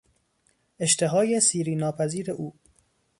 اشتهای سیری ناپذیر او